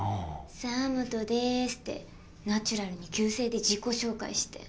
「澤本です」ってナチュラルに旧姓で自己紹介して。